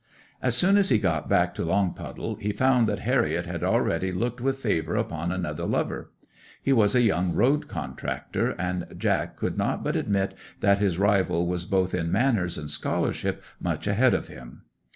'As soon as he got back to Longpuddle he found that Harriet had already looked wi' favour upon another lover. He was a young road contractor, and Jack could not but admit that his rival was both in manners and scholarship much ahead of him.